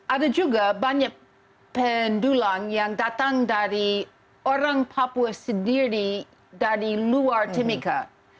ada juga banyak pendulang yang datang dari orang papua sendiri dari luar timika